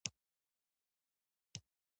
ژورې سرچینې د افغانستان د اقتصاد برخه ده.